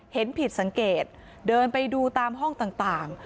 เห็นผิดสังเกตเดินไปดูตามห้องต่าง